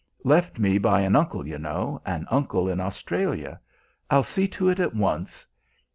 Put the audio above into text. Left me by an uncle, you know, an uncle in Australia. I'll see to it at once.